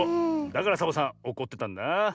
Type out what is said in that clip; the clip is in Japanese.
だからサボさんおこってたんだ。